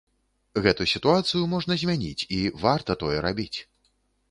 Гэту сітуацыю можна змяніць, і варта тое рабіць.